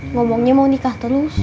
ngomongnya mau nikah terus